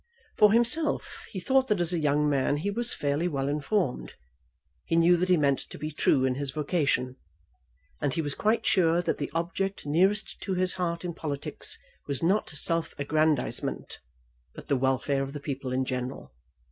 For himself, he thought that as a young man he was fairly well informed. He knew that he meant to be true in his vocation. And he was quite sure that the object nearest to his heart in politics was not self aggrandisement, but the welfare of the people in general.